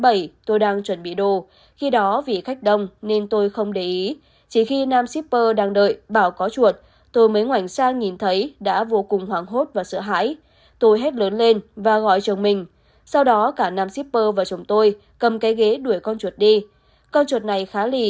bà bích cho hay